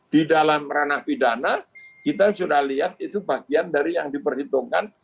di dalam ranah pidana kita sudah lihat itu bagian dari yang diperhitungkan